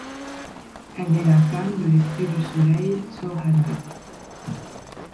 Elle est la femme de l'esprit du soleil Tsohanoï.